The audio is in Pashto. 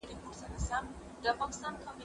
زه مځکي ته نه ګورم،